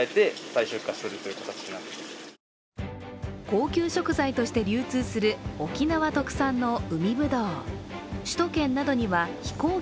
高級食材として流通する沖縄特産の海ぶどう。